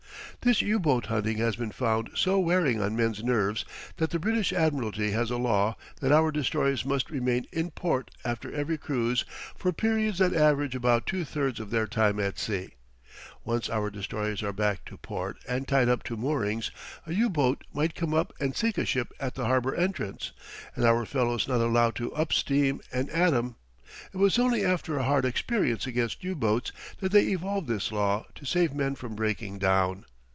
This U boat hunting has been found so wearing on men's nerves that the British Admiralty has a law that our destroyers must remain in port after every cruise for periods that average about two thirds of their time at sea. Once our destroyers are back to port and tied up to moorings, a U boat might come up and sink a ship at the harbor entrance and our fellows not allowed to up steam and at 'em. It was only after a hard experience against U boats that they evolved this law to save men from breaking down.